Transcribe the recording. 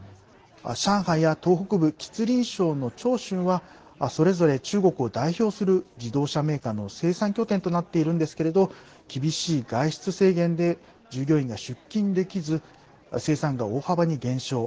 上海や東北部、吉林省の長春はそれぞれ中国を代表する自動車メーカーの生産拠点となっているんですけれど厳しい外出制限で従業員が出勤できず生産が大幅に減少。